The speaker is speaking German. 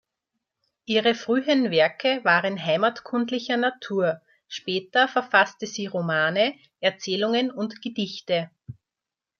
Ihre frühen Werke waren heimatkundlicher Natur, später verfasste sie Romane, Erzählungen und Gedichte.